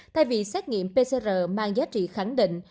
thay vì xét nghiệm pcr mang giá trị khẳng định